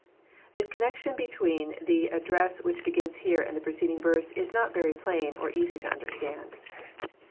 "] The connection between the addresf which begins here and the preceding verse is not very plain or easy to understand.